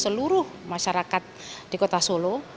seluruh masyarakat di kota solo